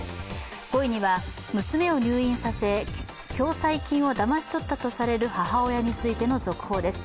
５位には娘を入院させ共済金をだまし取ったとされる母親について続報です。